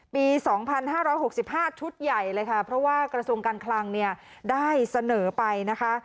ปีสองพันห้าร้อยหกสิบห้าชุดใหญ่เลยค่ะเพราะว่ากระทรวงการคลังเนี่ยได้เสนอไปนะคะ